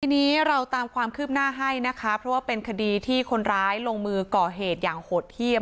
ทีนี้เราตามความคืบหน้าให้นะคะเพราะว่าเป็นคดีที่คนร้ายลงมือก่อเหตุอย่างโหดเยี่ยม